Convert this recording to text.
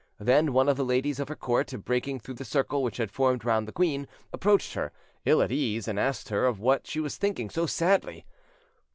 Then one of the ladies of her court, breaking through the circle which had formed round the queen, approached her, ill at ease, and asked her of what she was thinking so sadly.